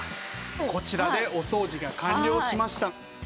こちらでお掃除が完了しました。